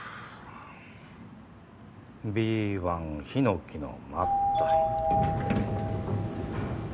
Ｂ１ひのきの間っと。